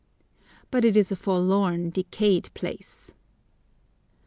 But it is a forlorn, decayed place.